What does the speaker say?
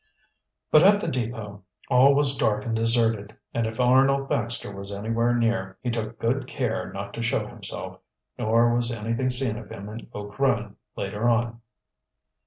But at the depot all was dark and deserted, and if Arnold Baxter was anywhere near he took good care not to show himself, nor was anything seen of him in Oak Run later on.